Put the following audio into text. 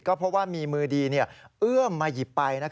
ก็เพราะว่ามีมือดีเอื้อมมาหยิบไป